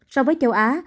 so với châu á